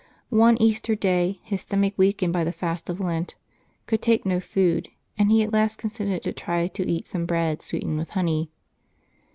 One Easter Day, his stomach, weakened by the fast of Lent, could take no food, and he at last consented to try to eat some bread sweetened with honey.